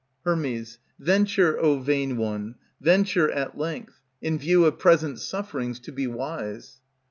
Her. Venture, O vain one, venture, at length, In view of present sufferings to be wise.